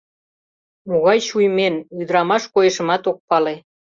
Могай чуймен, ӱдырамаш койышымат ок пале.